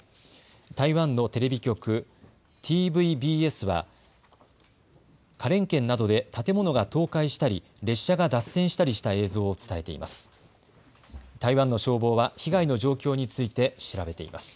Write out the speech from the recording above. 台湾のテレビ局、ＴＶＢＳは花蓮県などで建物が倒壊したり列車が脱線したりした映像を伝えています。